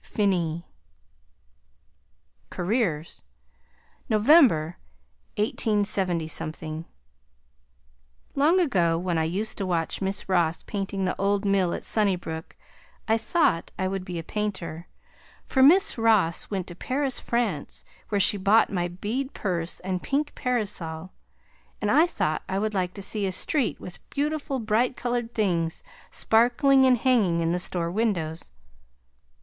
Finis CAREERS November, 187 Long ago when I used to watch Miss Ross painting the old mill at Sunnybrook I thought I would be a painter, for Miss Ross went to Paris France where she bought my bead purse and pink parasol and I thought I would like to see a street with beautiful bright colored things sparkling and hanging in the store windows.